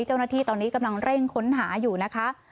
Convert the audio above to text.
เจ้าหน้าที่ตอนนี้กำลังเร่งค้นหาอยู่นะคะ